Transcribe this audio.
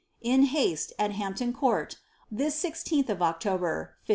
^In haste, at Hampton Court, this 16th of October (1567).